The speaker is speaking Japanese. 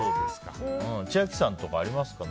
千秋さんはありますか？